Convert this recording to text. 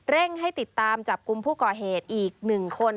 ให้ติดตามจับกลุ่มผู้ก่อเหตุอีก๑คน